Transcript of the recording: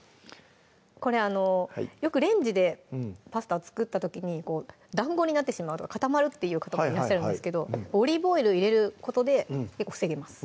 これよくレンジでパスタを作った時にだんごになってしまうとか固まるっていう方もいらっしゃるんですけどオリーブオイル入れることで防げます